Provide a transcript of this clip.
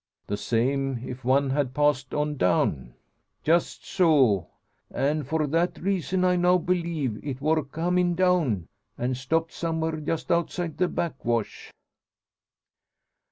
"The same if one had passed on down." "Just so; an' for that reason I now believe it wor comin' down, an' stopped; somewhere just outside the backwash."